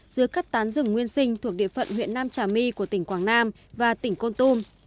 giữa các tán rừng nguyên sinh thuộc địa phận huyện nam trà my của tỉnh quảng nam và tỉnh côn tum